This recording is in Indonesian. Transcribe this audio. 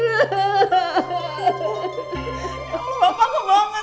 nggak diketahui gue yang lo beraksi rati